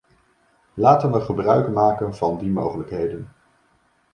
Laten we gebruik maken van die mogelijkheden.